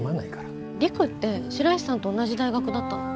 陸って白石さんと同じ大学だったの？